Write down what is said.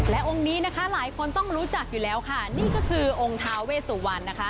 และองค์นี้นะคะหลายคนต้องรู้จักอยู่แล้วค่ะนี่ก็คือองค์ท้าเวสุวรรณนะคะ